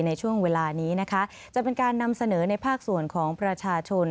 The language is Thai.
ในช่วงเวลานี้นะคะจะเป็นการนำเสนอในภาคส่วนของประชาชน